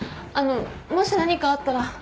あのもし何かあったら。